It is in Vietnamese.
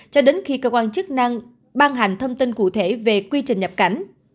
cho đến khi cơ quan chức năng ban hành thông tin cụ thể về quy trình nhập cảnh